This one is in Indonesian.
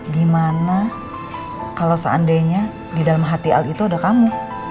gimana kalau seandainya di dalam hati al itu ada kamu